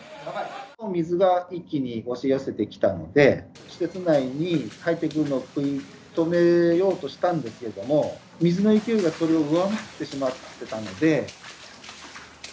水が一気に押し寄せてきたので、施設内に入ってくるのを食い止めようとしたんですけれども、水の勢いがそれを上回ってしまってたので。